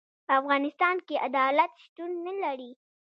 په افغانستان کي عدالت شتون نلري.